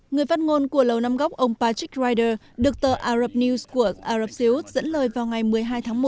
người phát ngôn của lầu năm góc ông patrick ryder được tờ arab news của arab seals dẫn lời vào ngày một mươi hai tháng một